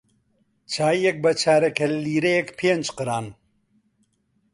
چایییەک بە چارەگە لیرەیەک پێنج قڕان